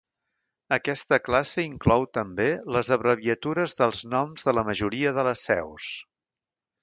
Aquesta classe inclou també les abreviatures dels noms de la majoria de les seus.